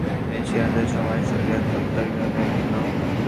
তিনি ছিলেন তার সময়ের শরিয়ত ও তরিকত-এর ইমাম ।